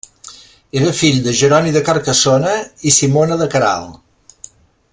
Era fill de Jeroni de Carcassona i Simona de Queralt.